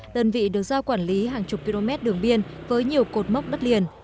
đơn vị được giao quản lý hàng chục km đường biên với nhiều cột mốc đất liền